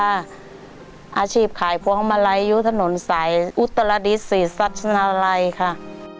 อาชีพขายพวงมาลัยอยู่ถนนสายอุตรดิษศรีสัชนาลัยค่ะ